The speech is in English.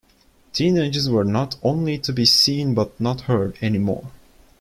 Teenagers were not "only to be seen but not heard" anymore.